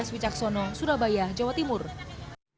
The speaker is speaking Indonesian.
dan ataubr pada masa langganan harga ikan berburu sama dengan buahnya